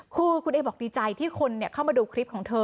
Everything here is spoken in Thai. คือคุณเอบอกดีใจที่คนเข้ามาดูคลิปของเธอ